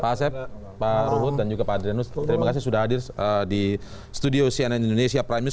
pak asep pak ruhut dan juga pak adrianus terima kasih sudah hadir di studio cnn indonesia prime news